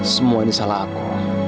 semua ini salah aku